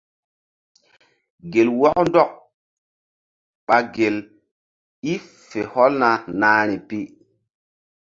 Gel wɔk ndɔk ɓa gel i fe hɔlna nahri pi.